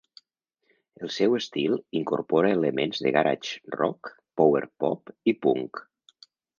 El seu estil incorpora elements de garage rock, power-pop i punk.